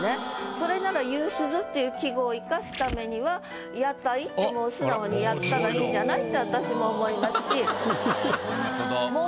それなら「夕涼」っていう季語を生かすためには「屋台」って素直にやったらいいんじゃない？って私も思いますし。